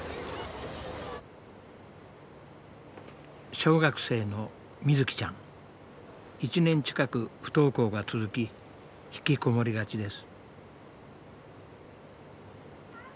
小学生の１年近く不登校が続き引きこもりがちです。